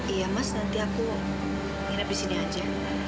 iya mas nanti aku nginep di sini aja